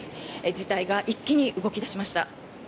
事態が一気に動き出しました。